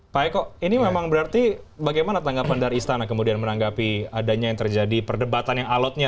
pak eko ini memang berarti bagaimana tanggapan dari istana kemudian menanggapi adanya yang terjadi perdebatan yang alotnya